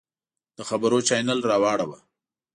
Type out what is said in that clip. د خبرونو چاینل راواړوه!